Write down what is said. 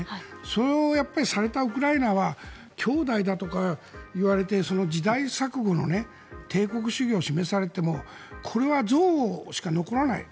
それをされたウクライナはきょうだいだとか言われて時代錯誤の帝国主義を示されてもこれは憎悪しか残らない。